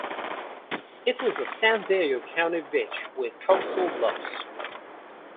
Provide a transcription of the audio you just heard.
It is a San Diego County beach with coastal bluffs.